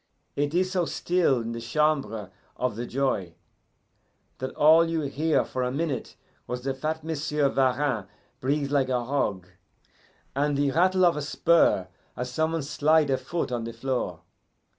It is so still in the Chamber of the Joy that all you hear for a minute was the fat Monsieur Varin breathe like a hog, and the rattle of a spur as some one slide a foot on the floor.